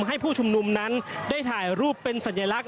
ผู้ชุมนุมนั้นได้ถ่ายรูปเป็นสัญลักษณ